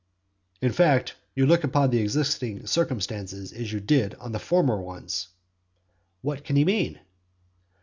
"In fact, you look upon the existing circumstances as you did on the former ones." What can he mean?